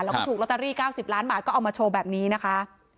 แล้วก็ถูกลอตเตอรี่๙๐ล้านบาทก็เอามาโชว์แบบนี้นะคะ